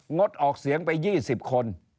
งดออกเสียงไป๒๐คน